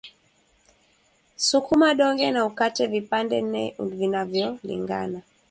Sukuma donge na ukate vipande nne vinavyolingana